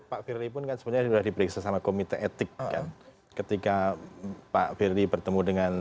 pak firly pun kan sebenarnya sudah diperiksa sama komite etik kan ketika pak ferry bertemu dengan